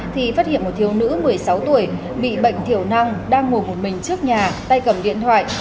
thì phát hiện một thiếu nữ một mươi sáu tuổi bị bệnh thiểu năng đang ngồi một mình trước nhà tay cầm điện thoại